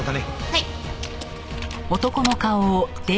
はい。